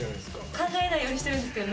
考えないようにしてるんですけど。